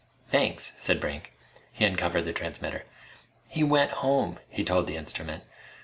"Thanks," said Brink. He uncovered the transmitter. "He went home," he told the instrument.